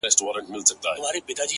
کمزوری سوئ يمه ـ څه رنگه دي ياده کړمه ـ